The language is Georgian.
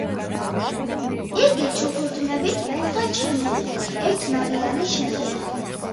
იგი ჩუქურთმებით უხვად შემკული ერთნავიანი შენობაა.